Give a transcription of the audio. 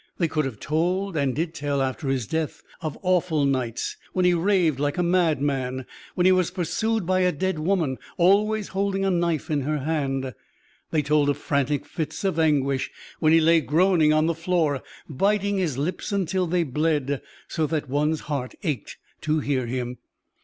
They could have told, and did tell after his death, of awful nights when he raved like a madman when he was pursued by a dead woman, always holding a knife in her hand; they told of frantic fits of anguish when he lay groaning on the floor, biting his lips until they bled, so that one's heart ached to hear him.